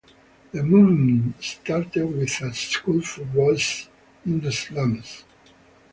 The movement started with a school for boys in the slums.